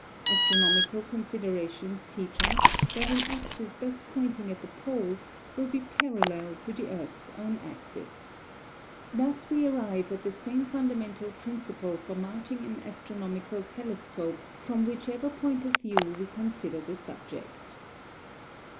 Astronomical considerations teach us that an axis thus pointing at the pole will be parallel to the earth's own axis. Thus we arrive at the same fundamental principle for mounting an astronomical telescope from whichever point of view we consider the subject.